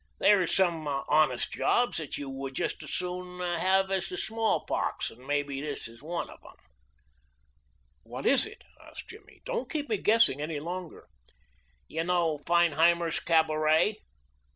There is some honest jobs that you would just as soon have as the smallpox, and maybe this is one of them." "What is it?" asked Jimmy. "Don't keep me guessing any longer." "You know Feinheimer's Cabaret."